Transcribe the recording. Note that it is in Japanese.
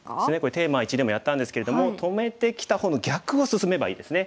テーマ１でもやったんですけれども止めてきた方の逆を進めばいいですね。